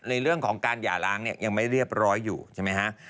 ในเรื่องของการหย่าล้างเนี่ยยังไม่เรียบร้อยอยู่ใช่ไหมฮะ